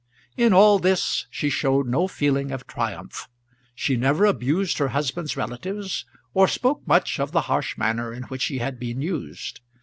In all this she showed no feeling of triumph; she never abused her husband's relatives, or spoke much of the harsh manner in which she had been used.